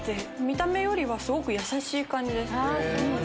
見た目よりはすごくやさしい感じです。